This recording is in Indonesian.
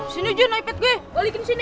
sini jun ipad gue balikin sini